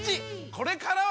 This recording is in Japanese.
これからは！